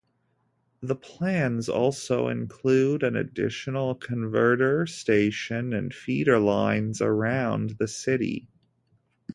The plans also include an additional converter station and feeder lines around the city.